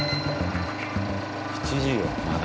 ７時よまだ。